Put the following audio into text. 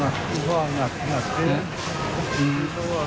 และหางน้ำของผมก็บอก